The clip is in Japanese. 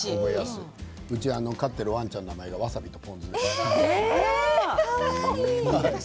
うち飼っているワンちゃんの名前がわさびと、ぽんずなんです。